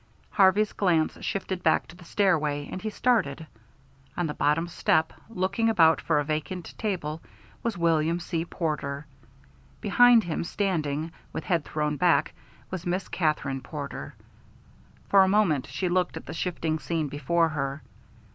Harvey's glance shifted back to the stairway, and he started. On the bottom step, looking about for a vacant table, was William C. Porter. Behind him, standing, with head thrown back, was Miss Katherine Porter. For a moment she looked at the shifting scene before her.